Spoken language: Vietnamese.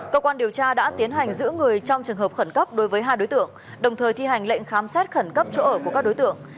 cơ quan điều tra đã tiến hành giữ người trong trường hợp khẩn cấp đối với hai đối tượng đồng thời thi hành lệnh khám xét khẩn cấp chỗ ở của các đối tượng